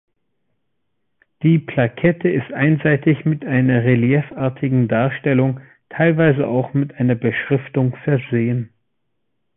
Die Plakette ist einseitig mit einer reliefartigen Darstellung, teilweise auch mit einer Beschriftung versehen.